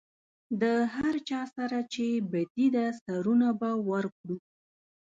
د هر چا سره چې بدي ده سرونه به ورکړو.